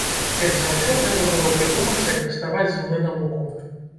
Перш за ўсё трэба было прыдумаць, як даставаць з млына муку.